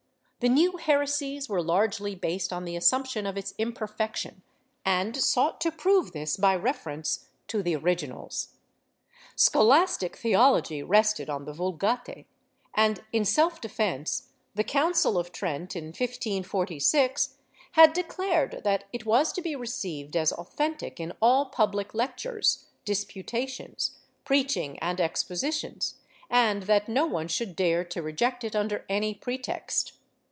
The new heresies were largely based on the assumption of its imperfection, and sought to prove this by reference to the originals. Scholastic theology rested on the Vulgate and, in self defence, the Council of Trent, in 1546, 1 Coleccion, X, 261 ; XI, 256, 259. 152 PROPOSITIONS [Book VIII had declared that it was to be received as authentic in all public lectures, disputations, preaching and expositions, and that no one should dare to reject it under any pretext.'